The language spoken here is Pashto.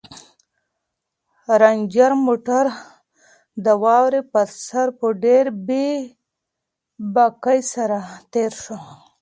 رنجر موټر د واورې پر سر په ډېرې بې باکۍ سره تېر شو.